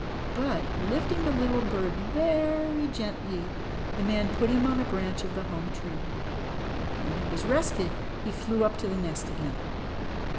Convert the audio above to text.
But, lifting the little bird very gently, the man put him on a branch of the home tree. When he was rested he flew up to the nest again.